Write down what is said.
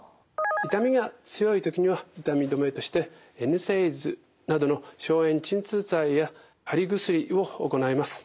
痛みが強い時には痛み止めとしてＮＳＡＩＤｓなどの消炎鎮痛剤や貼り薬を行います。